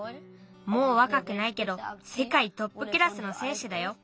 もうわかくないけどせかいトップクラスのせんしゅだよ。